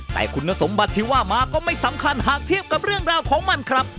แต่คุณสมบัติที่ว่ามาก็ไม่สำคัญหากเทียบกับเรื่องราวของมันครับ